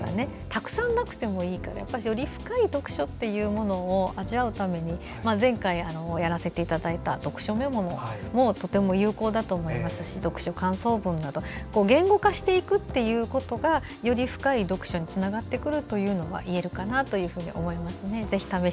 たくさんなくてもいいからより深い読書というものを味わうために前回やらせていただいた読書メモもとても有効だと思いますし読書感想文など言語化していくことがより深い読書につながってくると言えるかなと思いますね。